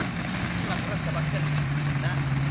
今取らしたばっかりだ。なあ。